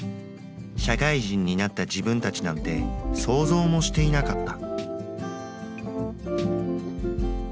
社会人になった自分たちなんて想像もしていなかった。